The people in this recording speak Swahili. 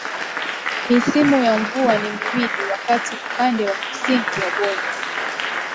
misimu ya mvua ni miwili wakati upande wa Kusini wa bonde